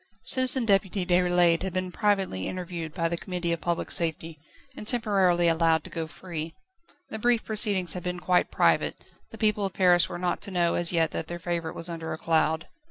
Citizen Deputy Déroulède had been privately interviewed by the Committee of Public Safety, and temporarily allowed to go free. The brief proceedings had been quite private, the people of Paris were not to know as yet that their favourite was under a cloud.